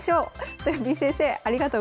とよぴー先生ありがとうございました。